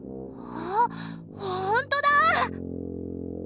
あほんとだ！